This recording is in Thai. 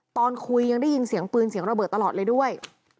ตอนคุยยังได้ยินเสียงปืนเสียงระเบิดตลอดเลยด้วย